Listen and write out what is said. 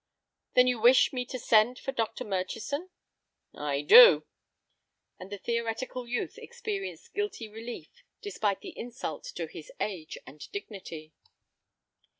"Then you wish me to send for Dr. Murchison?" "I do." And the theoretical youth experienced guilty relief despite the insult to his age and dignity.